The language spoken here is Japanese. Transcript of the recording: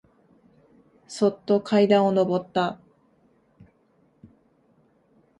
そっと階段をのぼった。